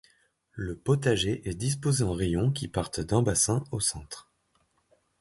Le potager est disposé en rayons qui partent d'un bassin au centre.